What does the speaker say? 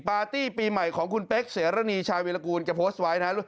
ปาร์ตี้ปีใหม่ของคุณเป๊กเสรณีชายวิรากูลแกโพสต์ไว้นะ